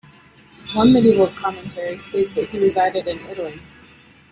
One medieval commentary states that he resided in Italy.